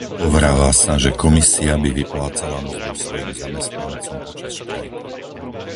Povráva sa, že Komisia by vyplácala mzdu svojim zamestnancom počas štrajku.